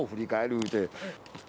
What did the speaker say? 言うて。